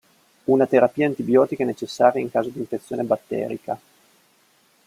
Una terapia antibiotica è necessaria in caso di infezione batterica.